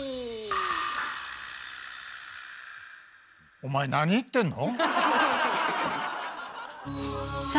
お前なに言ってんの？